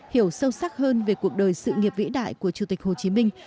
hiểu sâu sắc hơn về cuộc đời sự nghiệp vĩ đại của chủ tịch hồ chí minh